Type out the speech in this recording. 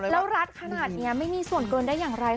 แล้วรัดขนาดนี้ไม่มีส่วนเกินได้อย่างไร